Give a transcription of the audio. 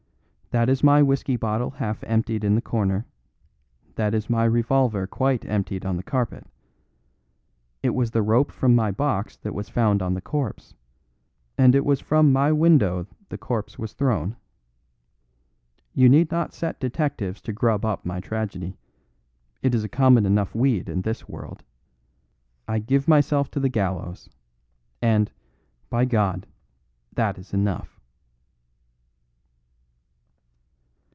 That is my whisky bottle half emptied in the corner; that is my revolver quite emptied on the carpet. It was the rope from my box that was found on the corpse, and it was from my window the corpse was thrown. You need not set detectives to grub up my tragedy; it is a common enough weed in this world. I give myself to the gallows; and, by God, that is enough!"